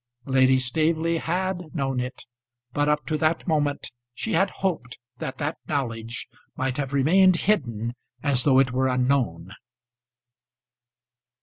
Lady Staveley had known it, but up to that moment she had hoped that that knowledge might have remained hidden as though it were unknown.